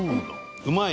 うまい？